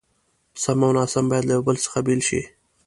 سم او ناسم بايد له يو بل څخه بېل شي.